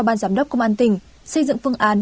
ban giám đốc công an tỉnh xây dựng phương án